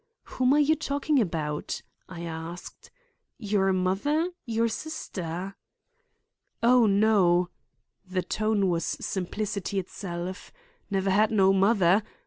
"Whom are you talking about?" I asked. "Your mother—your sister?" "Oh, no;" the tone was simplicity itself. "Never had no mother.